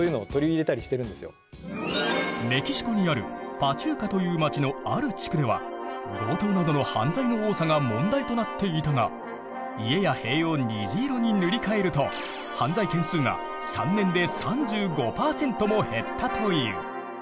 メキシコにあるパチューカという町のある地区では強盗などの犯罪の多さが問題となっていたが家や塀を虹色に塗り替えると犯罪件数が３年で３５％も減ったという。